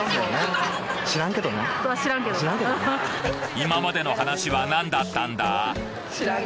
今までの話はなんだったんだ？